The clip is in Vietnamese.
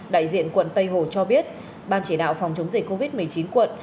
đại diện quận tây hồ cho biết ban chỉ đạo phòng chống dịch covid một mươi chín quận